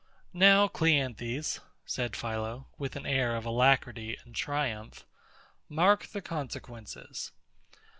Now, CLEANTHES, said PHILO, with an air of alacrity and triumph, mark the consequences.